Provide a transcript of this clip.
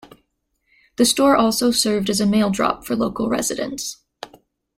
The store also served as a mail drop for local residents.